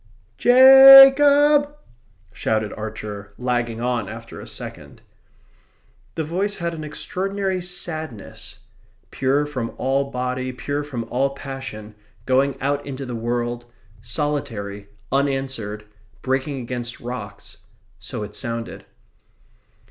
Ja cob!" shouted Archer, lagging on after a second. The voice had an extraordinary sadness. Pure from all body, pure from all passion, going out into the world, solitary, unanswered, breaking against rocks so it sounded.